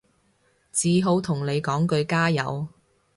只好同你講句加油